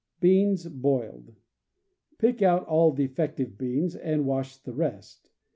Beans, Boiled. — Pick out all defective beans, and wash the rest.